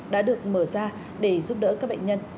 đã được mở ra để giúp đỡ các bệnh nhân